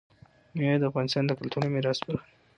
مېوې د افغانستان د کلتوري میراث برخه ده.